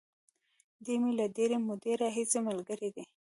دی مې له ډېرې مودې راهیسې ملګری دی.